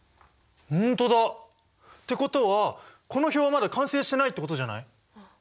本当だ！ってことはこの表はまだ完成してないってことじゃない？